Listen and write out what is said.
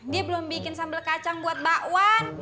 dia belum bikin sambal kacang buat bakwan